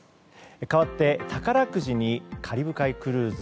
かわって宝くじに、カリブ海クルーズ。